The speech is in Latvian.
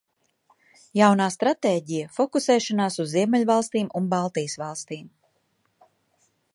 Jaunā stratēģija: fokusēšanās uz Ziemeļvalstīm un Baltijas valstīm.